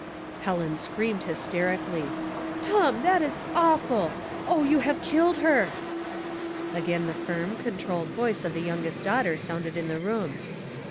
Helen screamed hysterically. " Tom, that is awful. Oh, you have killed her I" Again the firm, controlled tones of the young est daughter sounded in the room.